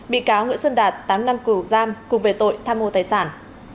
bị cáo nguyễn xuân đạt tám năm tù giam cùng về tội tham mô tài sản